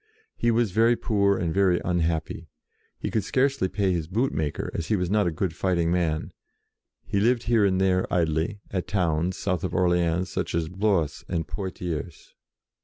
He was very poor and very un happy. He could scarcely pay his boot maker, and as he was not a good fighting man, he lived here and there idly, at towns south of Orleans, such as Blois and Poitiers.